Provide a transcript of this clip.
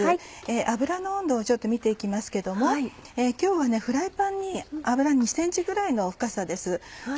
油の温度をちょっと見て行きますけども今日はフライパンに油２ｃｍぐらいの深さです。